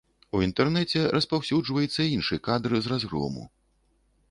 У інтэрнэце распаўсюджваецца іншы кадр з разгрому.